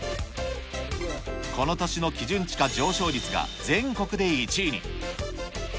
この年の基準地価上昇率が全国で１位に。